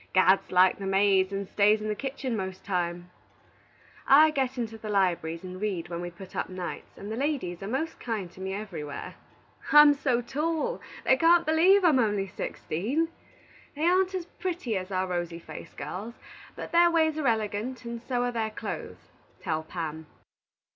Gad likes the maids and stays in the kitchen most times. I get into the libraries and read when we put up nights, and the ladies are most kind to me everywhere. "I'm so tall they can't believe I'm only sixteen. They aren't as pretty as our rosy faced girls, but their ways are elegant, and so are their clothes, tell Pam.